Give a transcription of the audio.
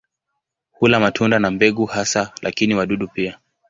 Hula matunda na mbegu hasa, lakini wadudu pia.